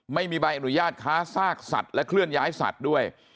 ไม่มีใบอนุญาตค้าซากสัตว์และเคลื่อนย้ายสัตว์ด้วย